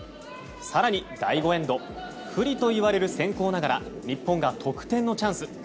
更に第５エンド不利と呼ばれる先攻ながら日本が得点のチャンス。